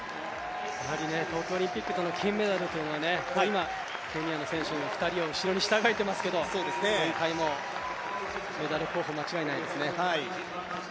東京オリンピックとの金メダルとのね、今ケニアの選手を２人も、後ろに従えてますけど今回もメダル候補間違いないですね。